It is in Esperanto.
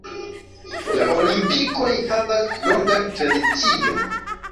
La Olimpikoj havas longan tradicion.